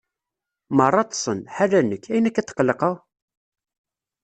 Meṛṛa ṭṭsen, ḥala nekk, ayen akka tqelqeɣ?